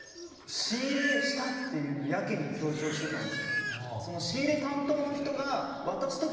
仕入れしたっていうのやけに強調してたんすよ。